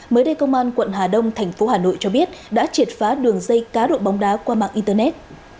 mới đây công an quận hà đông thành phố hà nội cho biết đã triệt phá đường dây cá độ bóng đá qua mạng internet